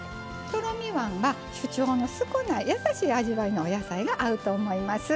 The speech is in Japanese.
とろみ椀は主張の少ない優しい味わいのお野菜が合うと思います。